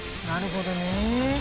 なるほどね。